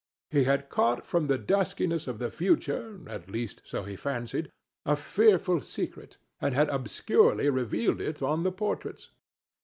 He had caught from the duskiness of the future—at least, so he fancied—a fearful secret, and had obscurely revealed it on the portraits.